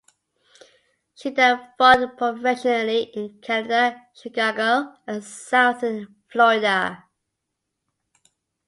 She then fought professionally in Canada, Chicago, and southern Florida.